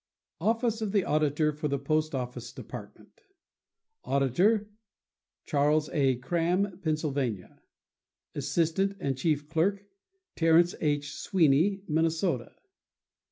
OFFICE OF THE AUDITOR FOR THE POST OFFICE DEPARTMENT Auditor.—Charles A. Kram, Pennsylvania. Assistant and Chief Clerk.—Terrence H. Sweeney, Minnesota.